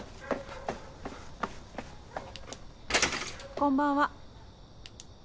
こんばんは。